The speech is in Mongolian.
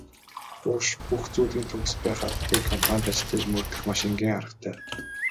Буш бүх зүйл нь төгс байх албагүй компанит ажлыг мөрдөх маш энгийн аргатай.